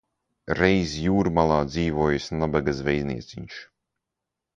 Reiz jūrmalā dzīvojis nabaga zvejnieciņš.